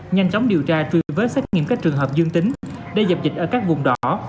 nhanh chóng điều tra truy vết xét nghiệm các trường hợp dương tính để dập dịch ở các vùng đỏ